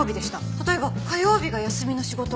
例えば火曜日が休みの仕事。